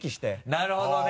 なるほどね。